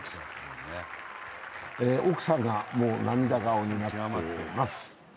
奥さんが涙顔になっております。